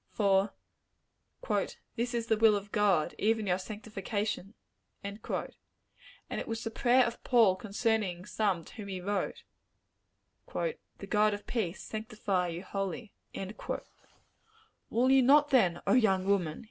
For "this is the will of God, even your sanctification;" and it was the prayer of Paul concerning some to whom he wrote "The God of peace sanctify you wholly." Will you not, then, O young woman!